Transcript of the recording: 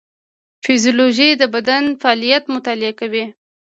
فیزیولوژي د بدن فعالیت مطالعه کوي